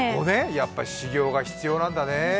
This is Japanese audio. やっぱり修業が必要なんだね。